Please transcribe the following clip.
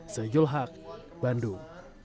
sejul haq bandung